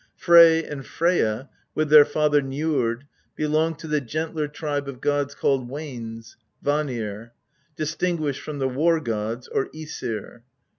Frey and Freyja, with their father Njord, belong to the gentler tribe of gods called Wanes (Vanir), distinguished from the war gods, or ^Esir.